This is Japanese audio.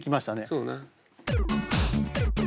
そうね。